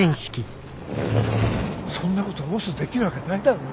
そんなこと押忍できるわけないだろ。